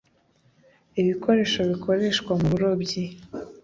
Ibikoresho bikoreshwa mu burobyi